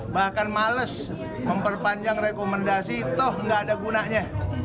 bahkan males memperpanjang rekomendasi toh nggak ada gunanya